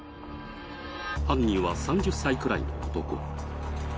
犯人は３０歳くらいの男。